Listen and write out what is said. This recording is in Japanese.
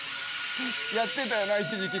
やってたよな一時期。